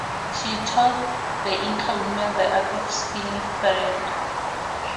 She taught the Inca women the art of spinning thread.